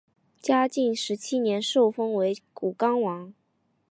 嘉靖十七年受封为武冈王。